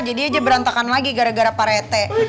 jadi aja berantakan lagi gara gara parete